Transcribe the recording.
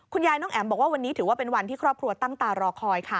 น้องแอ๋มบอกว่าวันนี้ถือว่าเป็นวันที่ครอบครัวตั้งตารอคอยค่ะ